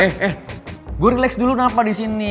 eh eh gua relax dulu kenapa di sini